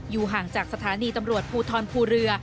ห่างจากสถานีตำรวจภูทรภูเรือ